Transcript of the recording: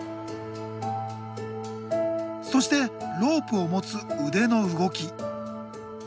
そしてロープを持つ腕の動き。